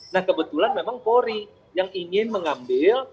nah kebetulan memang polri yang ingin mengambil